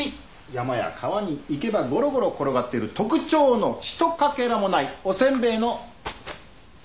山や川に行けばゴロゴロ転がってる特徴のひとかけらもないおせんべいのかけらのような石。